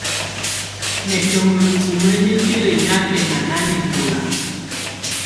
Mɛ̀ kà mǝluku ma nipilǝ nyàkɛna nanɛkɔlà.